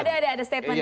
ada ada ada statement ya